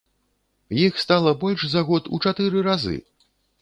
Іх стала больш за год у чатыры разы!